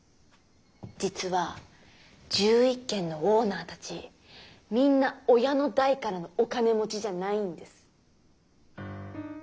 実は１１軒のオーナーたちみんな親の代からのお金持ちじゃないんです。